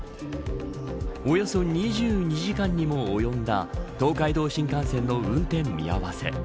およそ２２時間にも及んだ東海道新幹線の運転見合わせ。